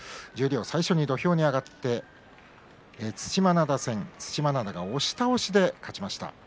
海が最初に土俵に上がって對馬洋が押し倒しで勝ちました。